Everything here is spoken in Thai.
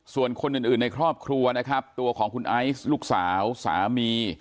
ส่วนคนอื่นในครอบครัวนะครับตัวของคุณไอซ์ลูกสาวสามี